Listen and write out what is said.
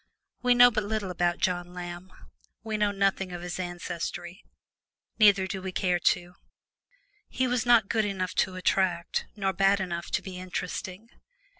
We know but little about John Lamb; we know nothing of his ancestry. Neither do we care to. He was not good enough to attract, nor bad enough to be interesting.